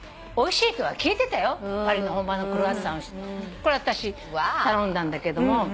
これ私頼んだんだけども。